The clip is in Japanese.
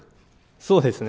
そうですね。